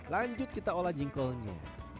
lanjut kita olah jengkolnya